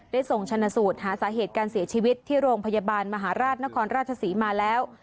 ส่งชนะสูตรหาสาเหตุการเสียชีวิตที่โรงพยาบาลมหาราชนครราชศรีมาแล้ว